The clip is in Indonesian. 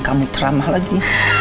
kamu ceramah lagi